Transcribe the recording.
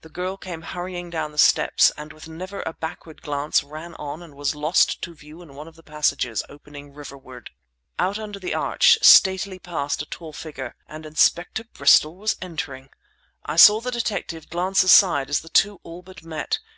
The girl came hurrying down the steps, and with never a backward glance ran on and was lost to view in one of the passages opening riverward. Out under the arch, statelily passed a tall figure—and Inspector Bristol was entering! I saw the detective glance aside as the two all but met.